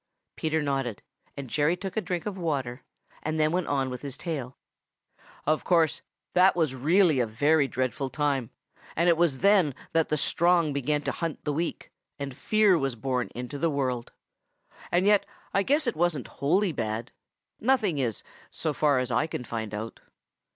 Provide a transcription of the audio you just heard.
Peter nodded, and Jerry took a drink of water and then went on with his tale. "Of course, that was really a very dreadful time, for it was then that the strong began to hunt the weak, and fear was born into the world. And yet I guess it wasn't wholly bad. Nothing is, so far as I can find out.